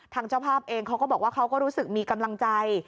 เจ้าภาพเองเขาก็บอกว่าเขาก็รู้สึกมีกำลังใจ